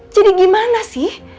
jadi gimana sih